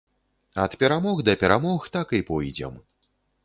Ад перамог да перамог так і пойдзем.